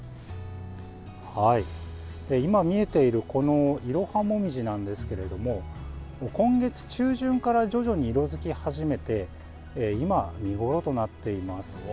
今、見えているこのイロハモミジなんですけれども今月中旬から徐々に色づき始めて今、見頃となっています。